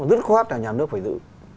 rất khoát là nhà nước phải giữ